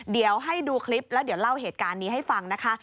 เดี๋ยวให้ดูคลิปแล้วเดี๋ยวเล่าเหตุการณ์นี้ให้ฟังนะคะ